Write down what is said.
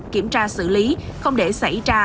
kiểm tra xử lý không để xảy ra